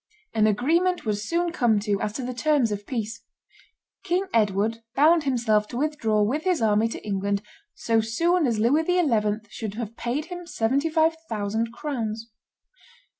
An agreement was soon come to as to the terms of peace. King Edward bound himself to withdraw with his army to England so soon as Louis XI. should have paid him seventy five thousand crowns.